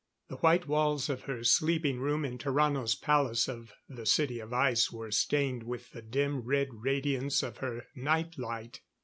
The white walls of her sleeping room in Tarrano's palace of the City of Ice were stained with the dim red radiance of her night light.